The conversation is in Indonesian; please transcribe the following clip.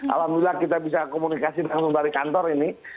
alhamdulillah kita bisa komunikasi langsung dari kantor ini